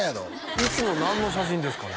いつの何の写真ですかね？